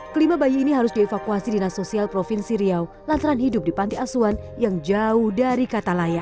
kelima bayi ini harus dievakuasi dinas sosial provinsi riau lantaran hidup di panti asuhan yang jauh dari katalaya